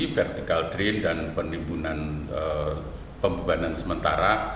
vertikal drain dan penimbunan pembebanan sementara